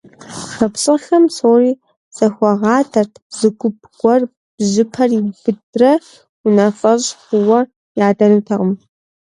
Шапсыгъхэм псори зэхуагъадэрт: зы гуп гуэр бжьыпэр иубыдрэ унафэщӀ хъууэ ядэнутэкъым.